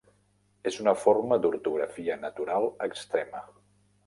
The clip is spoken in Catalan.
És una forma d'ortografia natural extrema.